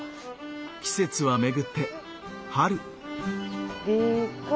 季節は巡って春。